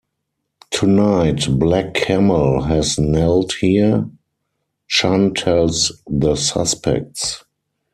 Tonight black camel has knelt here, Chan tells the suspects.